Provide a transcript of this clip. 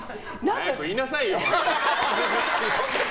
早く言いなさいよ！